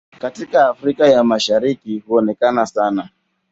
Katika Afrika ya Mashariki huonekana sana.